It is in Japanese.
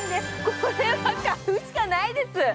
これは買うしかないです！